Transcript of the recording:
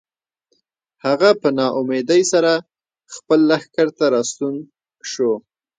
هغه په ناامیدۍ سره خپل لښکر ته راستون شو.